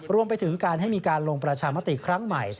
รวมไปถึงการให้มีการลงประชามติครั้งใหม่